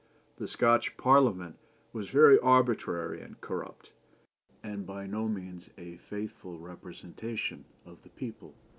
The Scotch Parliament was very arbitrary and corrupt, and by no means a faithful representation of the people.